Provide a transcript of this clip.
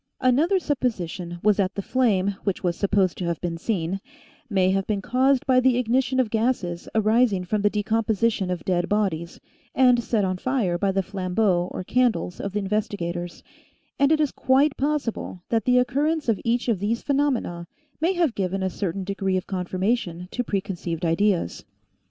Another supposition was that the flame, which was sup posed to have been seen, may have been caused by the ignition of gases arising from the decomposition of dead bodies, and set on fire by the flambeaux or candles of the investigators, and it is quite possible that the occurrence of each of these phenomena may have given a certain degree of confirmation to preconceived ideas.